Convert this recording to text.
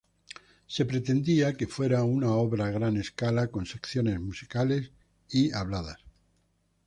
Se pretendía que fuera una obra a gran escala con secciones musicales y habladas.